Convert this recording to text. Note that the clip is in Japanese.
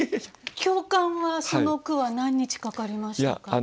教官はその句は何日かかりましたか？